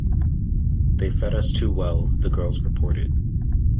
"They fed us too well," the girls reported.